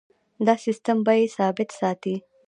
دا سیستم بیې ثابت ساتي.